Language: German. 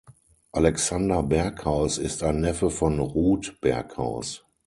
Alexander Berghaus ist ein Neffe von Ruth Berghaus.